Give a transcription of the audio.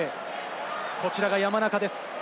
こちらが山中です。